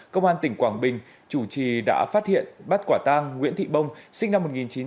công an tỉnh quảng bình chủ trì đã phát hiện bắt quả tang nguyễn thị bông sinh năm một nghìn chín trăm tám mươi